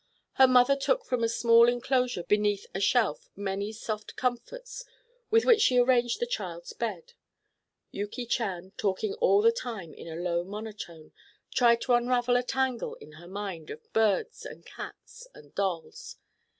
Her mother took from a small inclosure beneath a shelf many soft comforts with which she arranged the child's bed. Yuki Chan, talking all the time in a low monotone, tried to unravel a tangle in her mind of birds and cats and dolls.